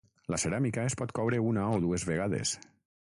La ceràmica es pot coure una o dues vegades.